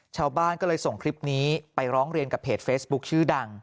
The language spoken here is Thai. ชาวบ้านก็เลยส่งคลิปนี้ไปร้องเรียนกับเพจเฟซบุ๊คชื่อดัง